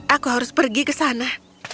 aku harus pergi ke sana